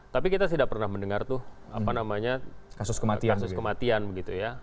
tapi kita tidak pernah mendengar tuh apa namanya kasus kematian begitu ya